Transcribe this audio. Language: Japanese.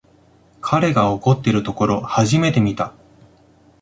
彼が怒ってるところ初めて見た